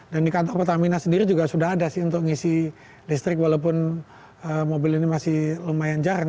dan di kantor pertamina sendiri juga sudah ada sih untuk ngisi listrik walaupun mobil ini masih lumayan jarang